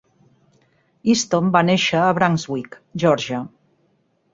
Easton va néixer a Brunswick, Geòrgia.